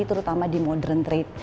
terutama di modern trade